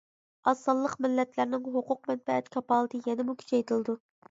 ئاز سانلىق مىللەتلەرنىڭ ھوقۇق مەنپەئەت كاپالىتى يەنىمۇ كۈچەيتىلىدۇ.